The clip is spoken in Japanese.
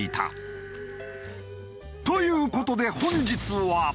という事で本日は。